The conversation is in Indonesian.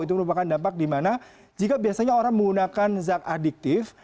itu merupakan dampak di mana jika biasanya orang menggunakan zat adiktif